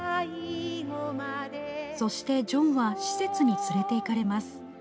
そして、ジョンは施設に連れて行かれます。